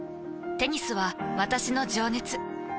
テニスは私の情熱。